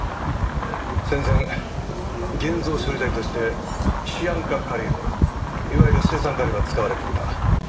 戦前現像処理剤としてシアン化カリウムいわゆる青酸カリは使われていた。